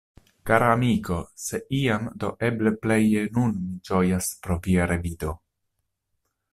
"Kara amiko, se iam, do eble pleje nun mi ĝojas pro via revido!